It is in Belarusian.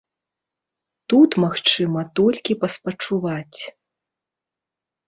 Тут магчыма толькі паспачуваць.